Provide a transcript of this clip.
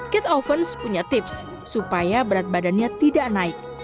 kit ovens punya tips supaya berat badannya tidak naik